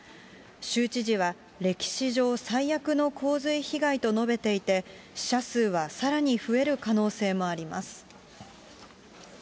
州知事は、歴史上最悪の洪水被害と述べていて、死者数はさらに増える可能性もあります。